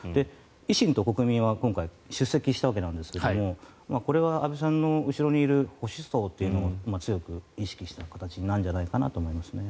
維新と国民は今回、出席したわけなんですがこれは安倍さんの後ろにいる保守層を強く意識した形になるんじゃないかなと思います。